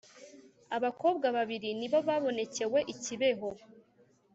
abakobwa babiri nibo babonekewe ikibeho